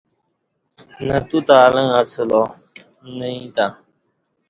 نہ تو تں الݩگ اڅہ لا نہ ییں تں